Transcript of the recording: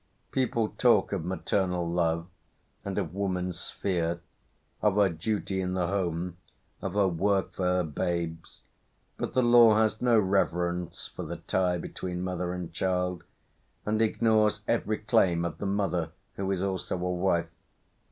People talk of maternal love, and of woman's sphere, of her duty in the home, of her work for her babes, but the law has no reverence for the tie between mother and child, and ignores every claim of the mother who is also a. wife.